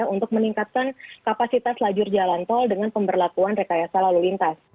untuk meningkatkan kapasitas lajur jalan tol dengan pemberlakuan rekayasa lalu lintas